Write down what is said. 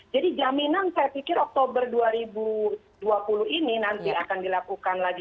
jadi jaminan saya pikir oktober dua ribu dua puluh ini nanti akan dilakukan lagi